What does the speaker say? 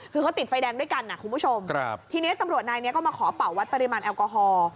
คือเขาติดไฟแดงด้วยกันนะคุณผู้ชมทีนี้ตำรวจนายนี้ก็มาขอเป่าวัดปริมาณแอลกอฮอล์